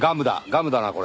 ガムだなこれ。